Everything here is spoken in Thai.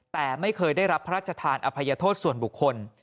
แต่ไม่เคยได้รับพระราชทานอภัยโทษส่วนบุคคล